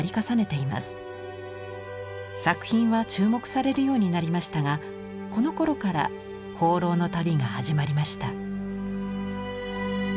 作品は注目されるようになりましたがこのころから放浪の旅が始まりました。